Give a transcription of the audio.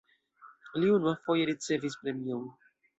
Li unuafoje ricevis premion.